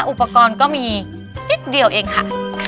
อุปกรณ์ก็มีนิดเดียวเองค่ะ